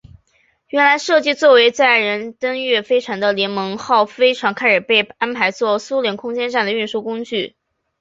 原来设计做为载人登月飞船的联盟号飞船开始被安排做苏联空间站的运输工具。